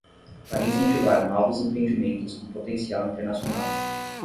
Para incentivar novos empreendimentos com potencial internacional